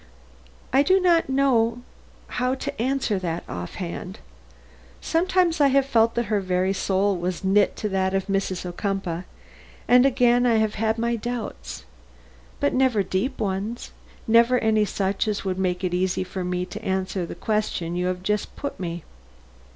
"I do not know how to answer that offhand. Sometimes I have felt that her very soul was knit to that of Mrs. Ocumpaugh, and again I have had my doubts. But never deep ones; never any such as would make it easy for me to answer the question you have just put me."